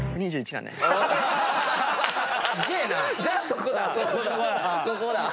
じゃあそこだ。